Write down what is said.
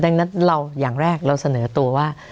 ดังนั้นเราอย่างแรกเราเสนอตัวว่า